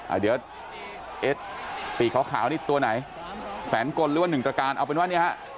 อ่าเดี๋ยวเอ็ดสีขาวขาวนี่ตัวไหนแสนกลหรือว่าหนึ่งตระการเอาเป็นว่าเนี่ยฮะ